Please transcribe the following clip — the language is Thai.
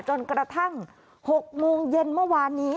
จนกระทั่ง๖โมงเย็นเมื่อวานนี้